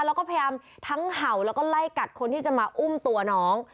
แล้วก็พยายามทั้งเห่าแล้วก็ไล่กัดคนที่จะมาอุ้มตัวน้อง